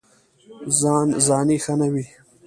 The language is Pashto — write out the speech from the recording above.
ځان ځاني ښه نه وي.